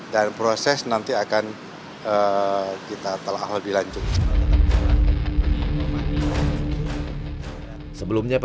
dan proses nanti akan kita telah alami